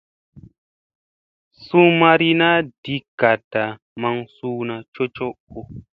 Suu mariina di gaɗta maŋ suuna cocoo.